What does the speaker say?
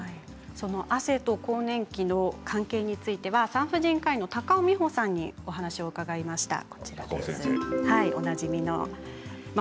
汗と更年期の関係については産婦人科医の高尾美穂さんにお話を伺いました。